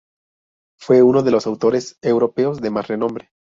Fue uno de los autores europeos de más renombre.